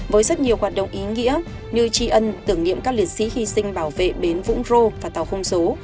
với rất nhiều hoạt động ý nghĩa như tri ân tưởng niệm các liệt sĩ hy sinh bảo vệ bến vũng rô và tàu không số